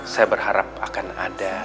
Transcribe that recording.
saya berharap akan ada